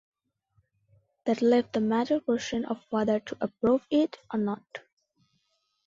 That left the major question of whether to approve it or not.